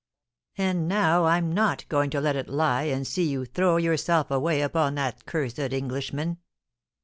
And now I'm not going to let it lie, and see you throw yourself away upon that cursed Englishman.